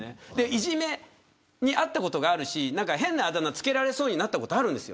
いじめに遭ったことがあるし変なあだ名を付けられそうになったことがあるんです。